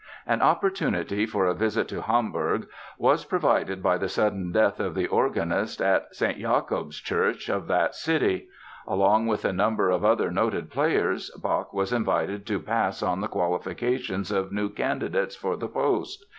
An opportunity for a trip to Hamburg was provided by the sudden death of the organist at St. Jacob's Church of that city. Along with a number of other noted players Bach was invited to pass on the qualifications of new candidates for the post.